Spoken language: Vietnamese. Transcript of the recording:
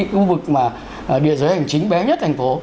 một cái khu vực mà địa giới hành chính bé nhất thành phố